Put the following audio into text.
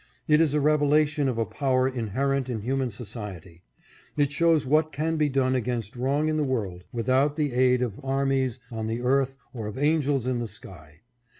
It is a revelation of a power inherent in human society. It shows what can be done against wrong in the world, without the aid of armies on the earth or of angels in the sky.